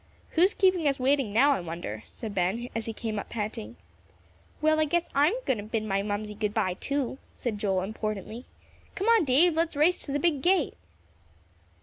"Who's keeping us waiting now, I wonder?" said Ben, as he came up panting. "Well, I guess I'm going to bid my Mamsie good by, too," said Joel, importantly. "Come on, Dave, let's race to the big gate!"